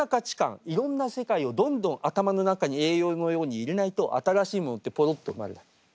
いろんな世界をどんどん頭の中に栄養のように入れないと新しいものってポロっと生まれない。